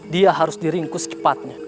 dia harus diringkus cepatnya